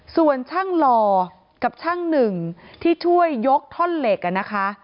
ส่วนช่างหล่อกับช่างหนึ่งที่ช่วยยกท่อนเหล็กนะคะ